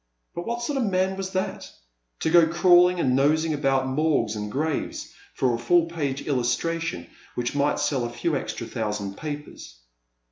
But what sort of a man was that !— ^to go crawling and nosing about morgues and graves for a full page illustration which might sell a few extra thousand papers.